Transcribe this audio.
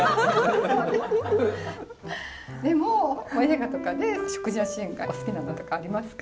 でも映画とかで食事のシーンでお好きなのとかありますか？